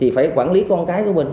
phải quản lý con cái của mình